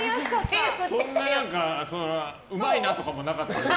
そんなうまいなとかもなかったです。